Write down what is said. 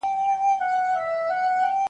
پکښي پراته دي په زړو ویشتلي .